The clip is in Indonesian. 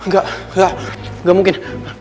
gak gak gak mungkin